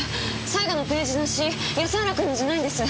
最後のページの詩安原君のじゃないんです。